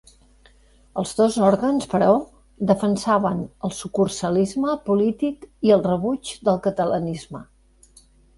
Els dos òrgans, però, defensaven el sucursalisme polític i el rebuig del catalanisme.